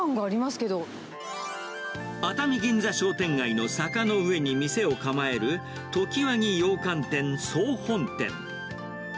熱海銀座商店街の坂の上に店を構える、常盤木羊羹店そう本店。